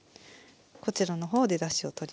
こちらの方でだしを取りますので。